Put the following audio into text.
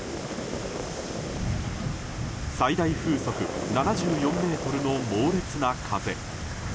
最大風速７４メートルの猛烈な風。